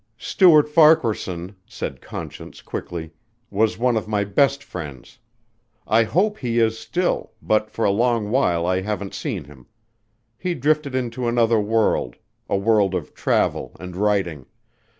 "Stuart Farquaharson," said Conscience quickly, "was one of my best friends. I hope he is still, but for a long while I haven't seen him. He drifted into another world ... a world of travel and writing